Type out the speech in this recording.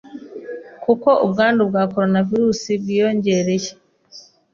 kuko ubwandu bwa Coronavirus bwiyongereye